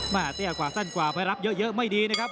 เตี้ยกว่าสั้นกว่าไปรับเยอะไม่ดีนะครับ